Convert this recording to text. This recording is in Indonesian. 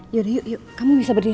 yaudah yuk kamu bisa berdiri gak